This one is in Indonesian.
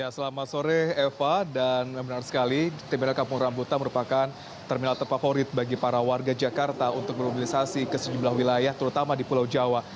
selamat sore eva dan benar sekali terminal kampung rambutan merupakan terminal terfavorit bagi para warga jakarta untuk memobilisasi ke sejumlah wilayah terutama di pulau jawa